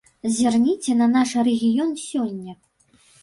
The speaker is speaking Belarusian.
Зірніце на наш рэгіён сёння.